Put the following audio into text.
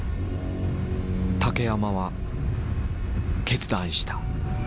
竹山は決断した。